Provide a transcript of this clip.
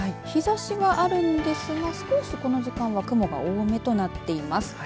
日ざしがあるんですが、この時間雲が多めとなっています。